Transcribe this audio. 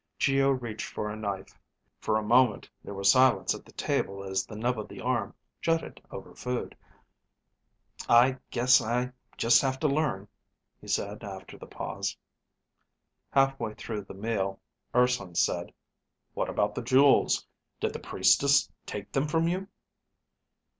Geo reached for a knife. For a moment there was silence at the table as the nub of the arm jutted over food. "I guess I just have to learn," he said after the pause. Halfway through the meal, Urson said, "What about the jewels? Did the Priestess take them from you?"